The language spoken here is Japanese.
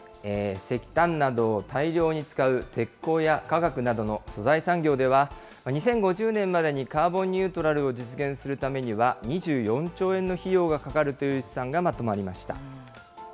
石炭などを大量に使う鉄鋼や化学などの素材産業では、２０５０年までにカーボンニュートラルを実現するためには、２４兆円の費用がかかるという試算がまとまりました。